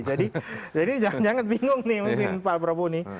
jadi jangan jangan bingung nih mungkin pak prabowo nih